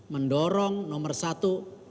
mendorong nomor satu